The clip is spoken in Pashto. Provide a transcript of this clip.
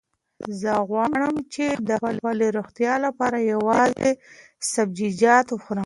زه غواړم چې د خپلې روغتیا لپاره یوازې سبزیجات وخورم.